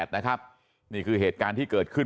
นี่คือเหตุการณ์ที่เกิดขึ้น